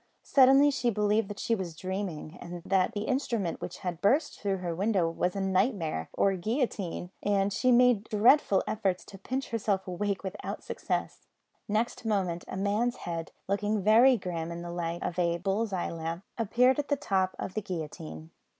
Suddenly she believed that she was dreaming, and that the instrument which had burst through her window was a nightmare or a guillotine, and she made dreadful efforts to pinch herself awake without success. Next moment a man's head, looking very grim in the light of a bull's eye lamp, appeared at the top of the guillotine.